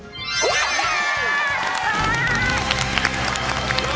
やったー！